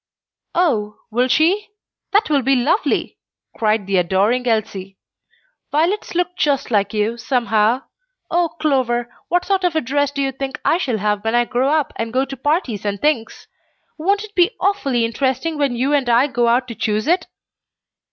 "Oh, will she? That will be lovely!" cried the adoring Elsie. "Violets look just like you, somehow. Oh, Clover, what sort of a dress do you think I shall have when I grow up and go to parties and things? Won't it be awfully interesting when you and I go out to choose it?"